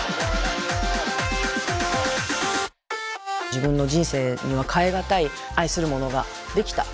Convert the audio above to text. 自分の人生には代え難い愛するものができた。